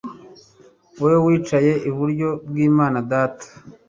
wowe wicaye iburyo bw'imana data